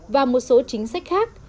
và một số chính sách khác